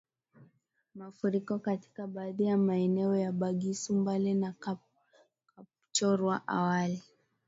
Mafuriko katika baadhi ya maeneo ya Bugisu Mbale na Kapchorwa awali